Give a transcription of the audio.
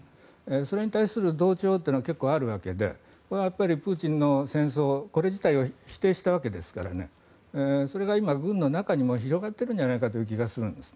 それに対する同調というのは結構あるわけでプーチンの戦争これ自体を否定したわけですからそれが今、軍の中にも広がっている気がするんです。